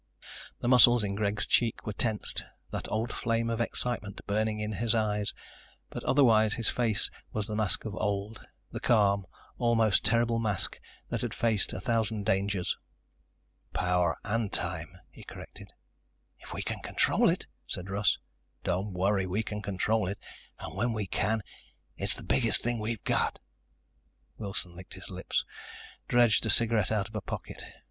The muscles in Greg's cheeks were tensed, that old flame of excitement burning in his eyes, but otherwise his face was the mask of old, the calm, almost terrible mask that had faced a thousand dangers. "Power and time," he corrected. "If we can control it," said Russ. "Don't worry. We can control it. And when we can, it's the biggest thing we've got." Wilson licked his lips, dredged a cigarette out of a pocket.